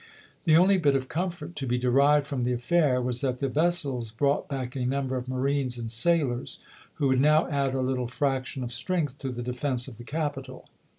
The only bit of comfort to be de rived from the affair was that the vessels brought back a number of marines and sailors, who would now add a little fraction of strength to the defense of the capital.